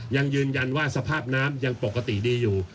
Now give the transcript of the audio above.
ยังยืนยันว่าสภาพน้ำยังปกติดีอยู่